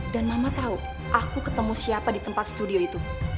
dan ma ma tau aku ketemu siapa di tempat studio itu